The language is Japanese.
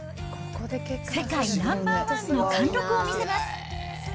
世界ナンバーワンの貫禄を見せます。